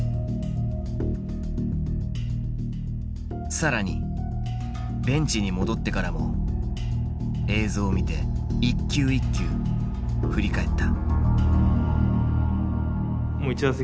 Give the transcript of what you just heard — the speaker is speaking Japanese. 更にベンチに戻ってからも映像を見て一球一球振り返った。